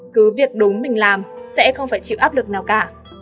cứ việc đúng mình làm sẽ không phải chịu áp lực nào cả